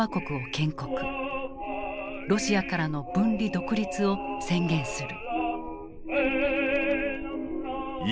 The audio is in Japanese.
ロシアからの分離・独立を宣言する。